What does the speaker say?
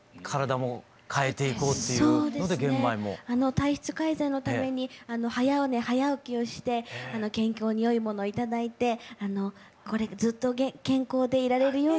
体質改善のために早寝早起きをして健康によいものを頂いてずっと健康でいられるように頑張っております。